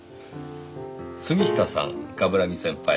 「杉下さん冠城先輩